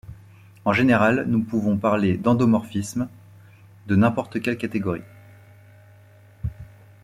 En général, nous pouvons parler d'endomorphisme de n'importe quelle catégorie.